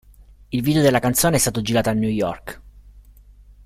Il video della canzone è stato girato a New York